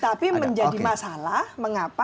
tapi menjadi masalah mengapa